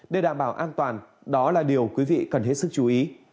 để đảm bảo an toàn đó là điều quý vị cần hết sức chú ý